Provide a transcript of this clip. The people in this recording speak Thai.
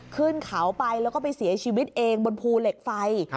ขึ้นเขาไปแล้วก็ไปเสียชีวิตเองบนภูเหล็กไฟ